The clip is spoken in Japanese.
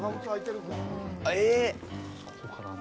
えっ！？